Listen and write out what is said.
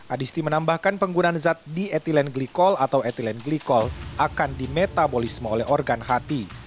adisti menambahkan penggunaan zat diethylene glikol atau ethylene glikol akan dimetabolisme oleh organ hati